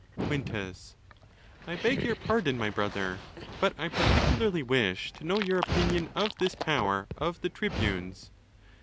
Quintus.—I beg your pardon, my brother, but I parti cularly wish to know your opinion of this power of the tribunes.